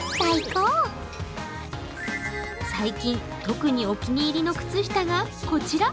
最近特にお気に入りの靴下がこちら。